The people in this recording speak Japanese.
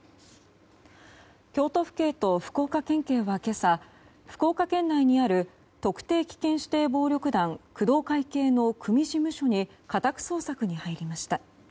京都府警と福岡県警は今朝福岡県内にある特定危険指定暴力団工藤会系の組事務所に家宅捜索に入りました。